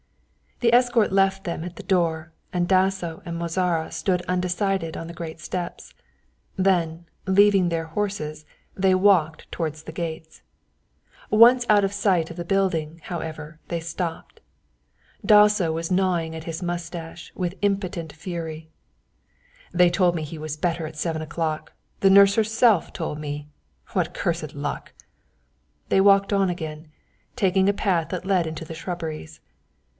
The escort left them at the door and Dasso and Mozara stood undecided on the great steps. Then, leaving their horses, they walked towards the gates. Once out of sight of the building, however, they stopped. Dasso was gnawing at his moustache in impotent fury. "They told me he was better at seven o'clock. The nurse herself told me. What cursed luck." They walked on again, taking a path that led into the shrubberies.